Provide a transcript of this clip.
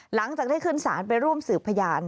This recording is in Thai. หลังจากได้ขึ้นศาลไปร่วมสืบพยาน